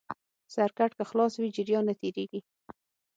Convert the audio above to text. سرکټ که خلاص وي جریان نه تېرېږي.